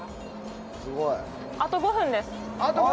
あと５分です。